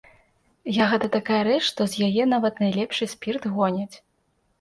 Ягада такая рэч, што з яе нават найлепшы спірт гоняць.